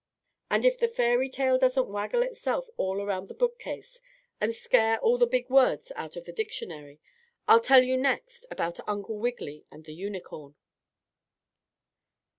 And if the fairy tale doesn't waggle itself all around the book case and scare all the big words out of the dictionary, I'll tell you next about Uncle Wiggily and the Unicorn.